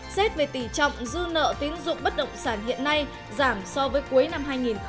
xét về tỷ trọng dư nợ tiến dụng bất động sản hiện nay giảm so với cuối năm hai nghìn một mươi tám